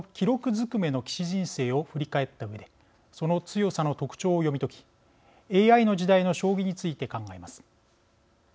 づくめの棋士人生を振り返ったうえでその強さの特徴を読み解きＡＩの時代の将棋について考えます。